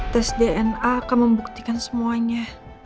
tes dna akan membuktikan semuanya